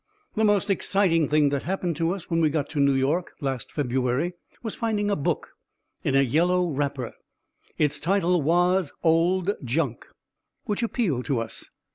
The most exciting thing that happened to us when we got to New York last February was finding a book in a yellow wrapper. Its title was "Old Junk," which appealed to us.